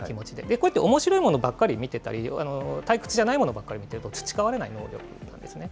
こうやっておもしろいものばっかり見てたり、退屈じゃないものばっかり見てたら、培われないものだと思うんですね。